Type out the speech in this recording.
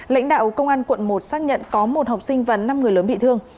lãnh đạo công an quận một xác nhận có một học sinh và năm người lớn bị thương